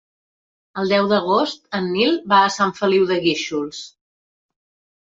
El deu d'agost en Nil va a Sant Feliu de Guíxols.